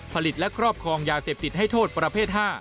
ผลิตและครอบครองยาเสพติดให้โทษประเภท๕